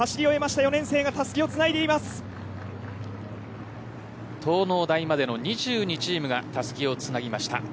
４年生が東農大までの２２チームがたすきをつなぎました。